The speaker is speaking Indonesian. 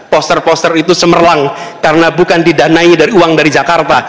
poster poster itu semerlang karena bukan didanai dari uang dari jakarta